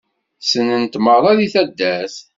Ssnen-t merra deg taddart.